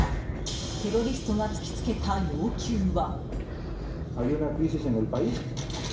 テロリストが突きつけた要求は。